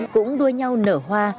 cũng đuôi nhau nở hoa